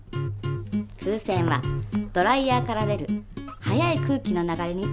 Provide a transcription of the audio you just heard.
風船はドライヤーから出る速い空気の流れに包まれています。